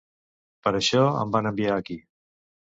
Per això em van enviar aquí.